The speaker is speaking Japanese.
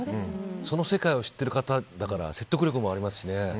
その世界を知ってる方だから説得力もありますしね。